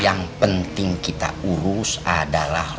yang penting kita urus adalah